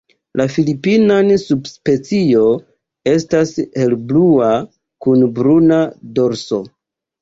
La filipinaj subspecio estas helblua kun bruna dorso.